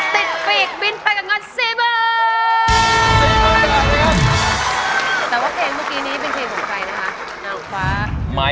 ได้ไง